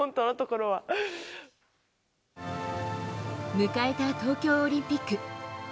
迎えた東京オリンピック。